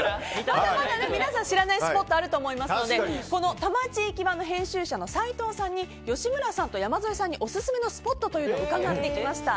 まだまだ皆さん知らないスポットあると思うので多摩地域版の編集者の斉藤さんに吉村さんと山添さんにオススメのスポットを伺ってきました。